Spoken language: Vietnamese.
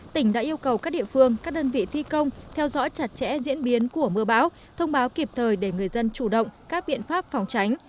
tỉnh đã yêu cầu các địa phương các đơn vị thi công theo dõi chặt chẽ diễn biến của mưa báo thông báo kịp thời để người dân chủ động các biện pháp phòng tránh